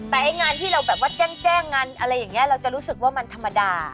แต่ไอ้งานที่เราแบบว่าแจ้งงานอะไรอย่างนี้เราจะรู้สึกว่ามันธรรมดา